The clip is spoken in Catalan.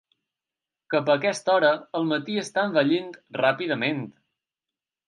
Cap a aquesta hora el matí està envellint ràpidament.